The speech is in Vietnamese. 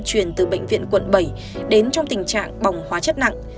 truyền từ bệnh viện quận bảy đến trong tình trạng bỏng hóa chất nặng